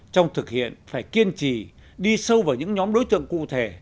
trong thực hiện phải kiên trì đi sâu vào những nhóm đối tượng cụ thể